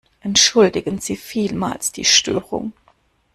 Entschuldigen Sie vielmals die Störung.